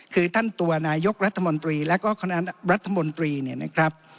คือท่านตัวนายกรัฐมนตรีแล้วก็คณะรัฐมนตรีเนี่ยนะครับ